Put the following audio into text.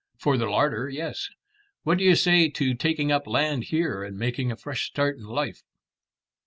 "For the larder: yes. What do you say to taking up land here and making a fresh start in life?"